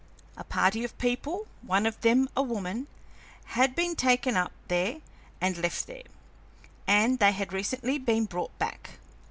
A party of people, one of them a woman, had been taken up there and left there, and they had recently been brought back.